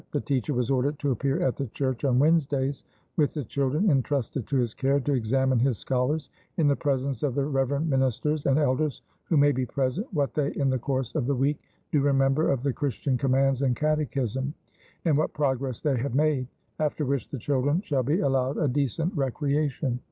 The teacher was ordered to appear at the church on Wednesdays with the children entrusted to his care, to examine his scholars "in the presence of the Reverend Ministers and Elders who may be present, what they in the course of the week, do remember of the Christian commands and catechism, and what progress they have made; after which the children shall be allowed a decent recreation."